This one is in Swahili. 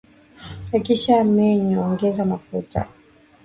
ukisha menye ongeza mafuta